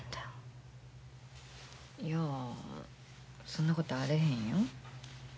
いやそんなことあれへんよ。